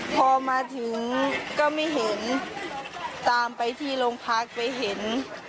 พอมาถึงก็ไม่เห็นตามไปที่โรงพักไปเห็น